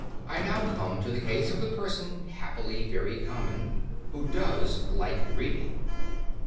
I now come to the case of the person, happily very common, who does "like reading."